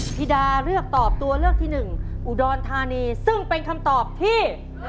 พี่ดาเลือกตอบตัวเลือกที่หนึ่งอุดรธานีซึ่งเป็นคำตอบที่